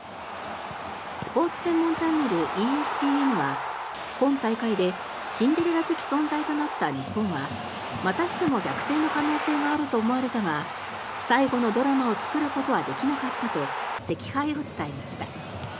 スポーツ専門チャンネルＥＳＰＮは今大会でシンデレラ的存在となった日本はまたしても逆転の可能性があると思われたが最後のドラマを作ることはできなかったと惜敗を伝えました。